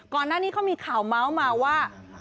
ก่อนหน้านี้เขามีข่าวเมาส์มาว่า